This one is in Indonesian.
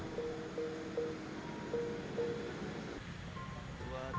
bahkan wayang beber tertua masih disimpan di rumah keluarga keturunannya